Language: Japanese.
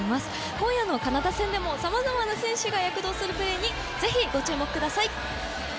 今夜のカナダ戦でもさまざまな選手が躍動するプレーにぜひご注目ください。